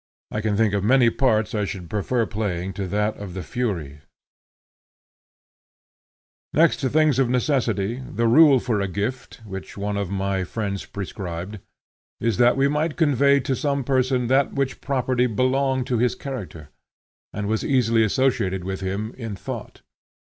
I can think of many parts I should prefer playing to that of the Furies. Next to things of necessity, the rule for a gift, which one of my friends prescribed, is that we might convey to some person that which properly belonged to his character, and was easily associated with him in thought.